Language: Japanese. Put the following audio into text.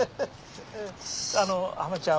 あのハマちゃん？